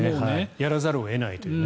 やらざるを得ないという。